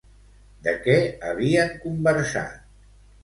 De què havien conversat?